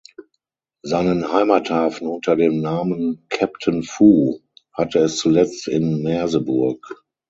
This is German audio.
Seinen Heimathafen unter dem Namen "Captain Fu" hatte es zuletzt in Merseburg.